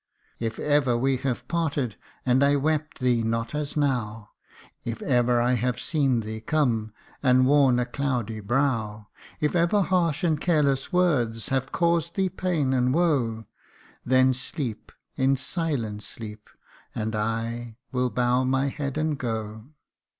' If ever we have parted, and I wept thee not as now, If ever I have seen thee come, and worn a cloudy brow, If ever harsh and careless words have caused thee pain and woe, Then sleep, in silence sleep, and I will bow my head and go.